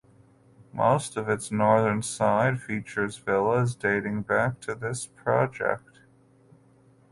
Most of its northern side features villas dating back to this project.